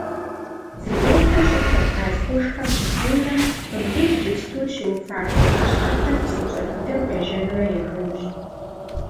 Зыгуэркӏэ щӏыр Кавказ къуршхэм щыхъеймэ, мыбдеж иджыпсту щыуфафэ щӏы щхьэфэр псынщӏэ дыдэу къежьэнурэ ехынущ.